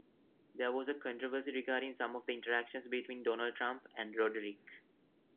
There was controversy regarding some the interactions between Donald Trump and Roderick.